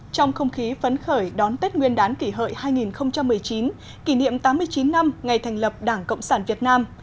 trong không khí phấn khởi đón tết nguyên đán kỷ hợi hai nghìn một mươi chín kỷ niệm tám mươi chín năm ngày thành lập đảng cộng sản việt nam